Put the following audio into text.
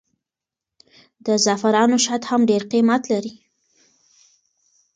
د زعفرانو شات هم ډېر قیمت لري.